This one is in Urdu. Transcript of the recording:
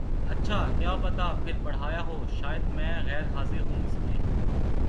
اچھا کیا پتا پھر پڑھایا ہو شاید میں غیر حاضر ہوں اس میں